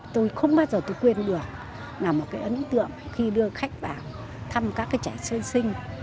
tôi không bao giờ tôi quên được là một cái ấn tượng khi đưa khách vào thăm các cái trẻ sơ sinh